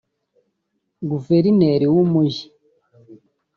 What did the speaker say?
Guverineri w’Umujyi